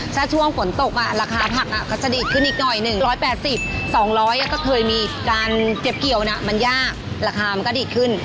ถ้าช่วงฝนตกราคาผักก็จะดีดขึ้นอีกหน่อย๑๘๐๒๐๐ก็เคยมีการเก็บเกี่ยวนะมันยากราคามันก็ดีขึ้น